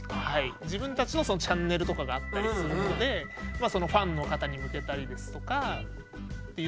自分たちのチャンネルとかがあったりするのでそのファンの方に向けたりですとかっていうのはしっかりこうそこで。